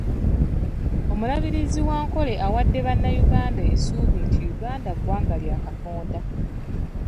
Omulabirizi wa Ankole awadde Bannayuganda essuubi nti Uganda ggwanga lya Katonda.